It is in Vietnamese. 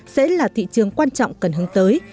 sẽ là thị trường quan trọng cần hướng tới